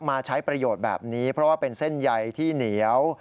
มาใช้ประโยชน์แบบนี้เพราะว่าเป็นเส้นใยที่เหนียว